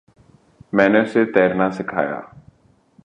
میں نے اسے تیرنا سکھایا۔